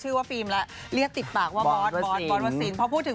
ชื่อว่าฟิล์มแล้วเรียกติดปากว่าบอสวสิน